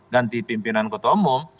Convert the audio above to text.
ganti pimpinan ketua umum